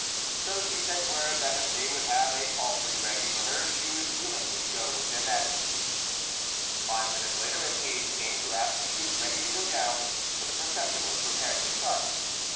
So she sent word that if they would have a palfrey ready for her she would willingly go with their majesties. Five minutes later a page came to ask if she was ready to go down, for the procession was preparing to start.